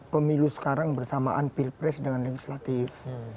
pemilu sekarang bersamaan pilpres dengan legislatif